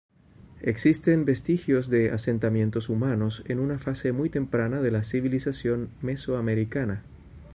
Existen vestigios de asentamientos humanos en una fase muy temprana de la civilización mesoamericana.